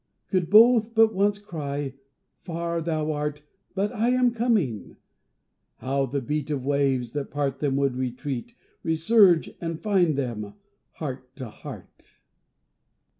Could both but once cry, "Far thou art, But I am coming!" How the beat Of waves that part them would retreat, Resurge and find them, heart to heart!